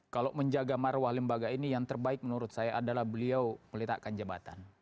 kalau menjaga marwah lembaga ini yang terbaik menurut saya adalah beliau meletakkan jabatan